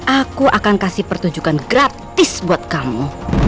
aku akan kasih pertunjukan gratis buat kamu